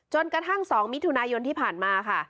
กระทั่ง๒มิถุนายนที่ผ่านมาค่ะ